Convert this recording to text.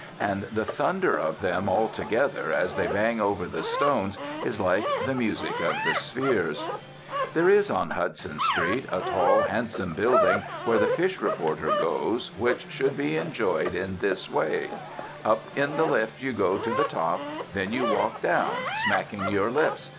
And the thunder of them altogether as they bang over the stones is like the music of the spheres. There is on Hudson Street a tall handsome building where the fish reporter goes, which should be enjoyed in this way: Up in the lift you go to the top, and then you walk down, smacking your lips.